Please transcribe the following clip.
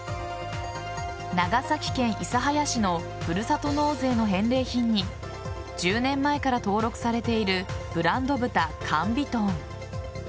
長崎県諫早市のふるさと納税の返礼品に１０年前から登録されているブランド豚・諫美豚。